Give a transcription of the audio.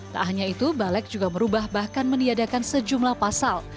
tak hanya itu balek juga merubah bahkan meniadakan sejumlah pasal